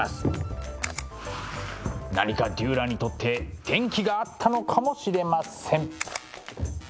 何かデューラーにとって転機があったのかもしれません。